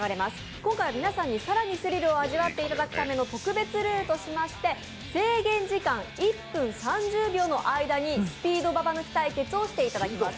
今回は、皆さんに更にスリルを味わっていただくための特別ルールとしまして制限時間１分３０秒の間にスピードババ抜き対決をしていただきます。